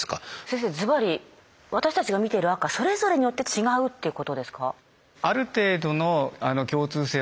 先生ずばり私たちが見ている赤それぞれによって違うっていうことですか？